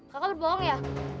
kakak berbohong ya